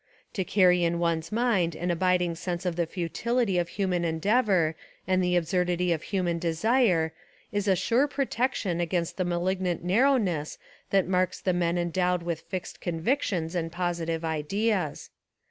To carry in one's mind an abiding sense of the futility of human endeavour and the absurdity of human desire 274 A Rehabilitation of Charles II is a sure protection against the malignant nar rowness that marks the men endowed with fixed convictions and positive ideas.